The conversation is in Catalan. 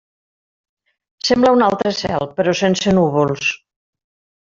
Sembla un altre cel, però sense núvols.